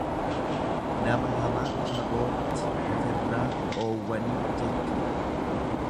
Nama hamaa fagootti ofirraa dhoowwanii jechuudha.